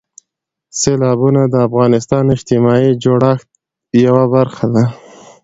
سیلابونه د افغانستان د اجتماعي جوړښت یوه برخه ده.